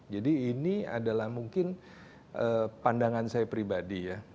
jadi ini adalah mungkin pandangan saya pribadi ya